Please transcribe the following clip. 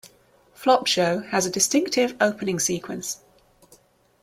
"Flop Show" has a distinctive opening sequence.